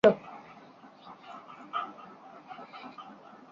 তার কী হয়েছিল?